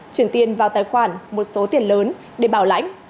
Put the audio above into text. chuyển tiền vào tài khoản một số tiền lớn để bảo lãnh